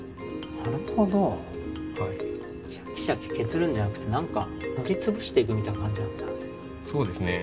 なるほどシャキシャキ削るんじゃなくて何か塗りつぶしていくみたいな感じなんだそうですね